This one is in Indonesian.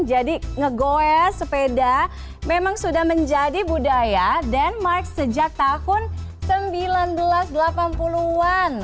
jadi nge go ya sepeda memang sudah menjadi budaya denmark sejak tahun seribu sembilan ratus delapan puluh an